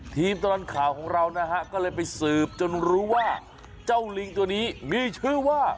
ตลอดข่าวของเรานะฮะก็เลยไปสืบจนรู้ว่าเจ้าลิงตัวนี้มีชื่อว่า